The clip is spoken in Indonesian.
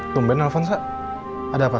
tumpen nelfon ada apa